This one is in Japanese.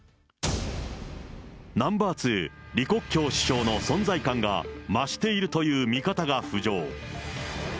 ナンバー２、李克強首相の存在感が増しているという見方が浮上。